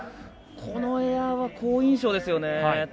このエアは好印象ですよね。